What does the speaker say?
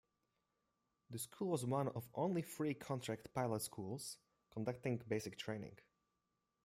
The school was one of only three contract pilot schools conducting basic training.